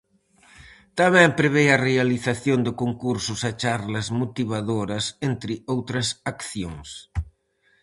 Tamén prevé a realización de concursos e charlas motivadoras, entre outras accións.